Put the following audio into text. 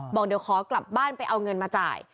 บอกเดี๋ยวขอกลับบ้านไปเอาเงินมาจ่าย